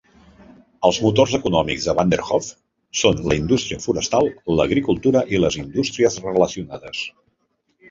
Els motors econòmics de Vanderhoof són la indústria forestal, l'agricultura i les indústries relacionades.